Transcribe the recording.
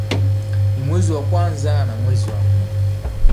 Ni mwezi wa kwanza na mwezi wa nne